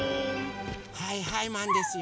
はいはいマンですよ！